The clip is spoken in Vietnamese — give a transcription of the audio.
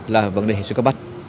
là vấn đề hệ thống cấp bắt